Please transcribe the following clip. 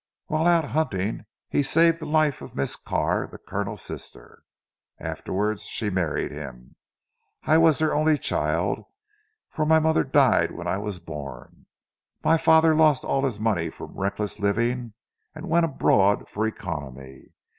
While out hunting, he saved the life of Miss Carr the Colonel's sister. Afterwards she married him. I was their only child, for my mother died when I was born. My father lost all his money from reckless living, and went abroad for economy.